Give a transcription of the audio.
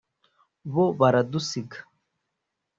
bo, baradusiga.